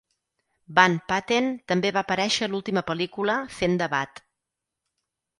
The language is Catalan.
Van Patten també va aparèixer a l'última pel·lícula fent d'abat.